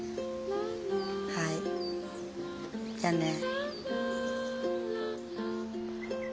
はいじゃあね。